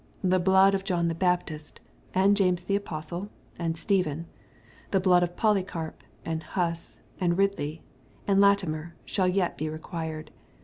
The blood of John the Baptist, and James the apostle, and Stephen — the blood of Polycarp, and Huss, and Ridley, and Latimer, shall yet be required.